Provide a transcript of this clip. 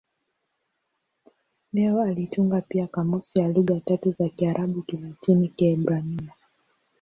Leo alitunga pia kamusi ya lugha tatu za Kiarabu-Kilatini-Kiebrania.